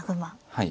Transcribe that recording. はい。